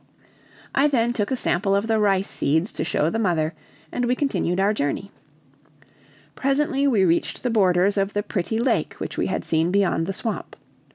I then took a sample of the rice seeds to show the mother, and we continued our journey. Presently we reached the borders of the pretty lake which we had seen beyond the swamp.